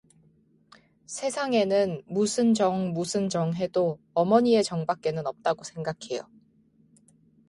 세상에는 무슨 정 무슨 정 해도 어머니의 정밖에는 없다고 생각해요.